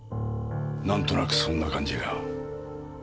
なんとなくそんな感じが。